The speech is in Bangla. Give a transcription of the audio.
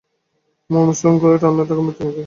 মর্ম শোষণ করে টানলে তাঁকে মৃত্যুর মুখে।